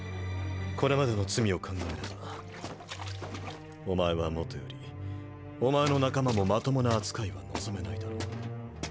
これまでの罪を考えればお前はもとよりお前の仲間もまともな扱いは望めないだろう。